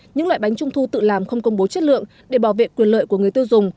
những loại bánh trung thu tự làm không công bố chất lượng để bảo vệ quyền lợi của người tiêu dùng